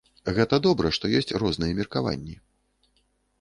Гэта добра, што ёсць розныя меркаванні.